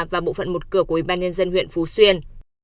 và bộ phận một cửa của ủy ban nhân dân huyện phú xuyên